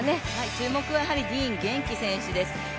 注目はディーン元気選手です。